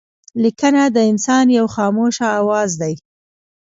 لیکنه د انسان یو خاموشه آواز دئ.